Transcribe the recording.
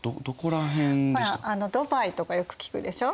ほらドバイとかよく聞くでしょ？